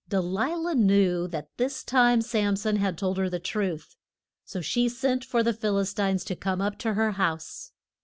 De li lah knew that this time Sam son had told her the truth; so she sent for the Phil is tines to come up to her house.